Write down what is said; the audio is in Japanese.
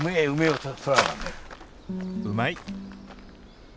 うまい！